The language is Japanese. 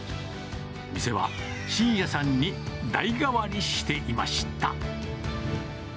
店は真也さんに代替わりしていました。